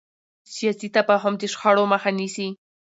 سیاسي تفاهم د شخړو مخه نیسي